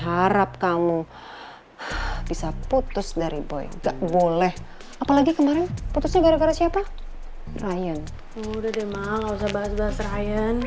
udah deh ma gak usah bahas bahas ryan